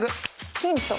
ヒント。